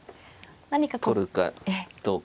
取るかどうか。